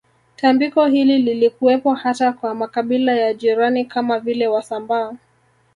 Tambiko hili lilikuwepo hata kwa makabila ya jirani kama vile wasambaa